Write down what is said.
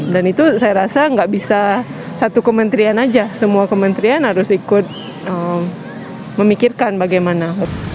dan itu saya rasa gak bisa satu kementrian aja semua kementrian harus ikut memikirkan bagaimana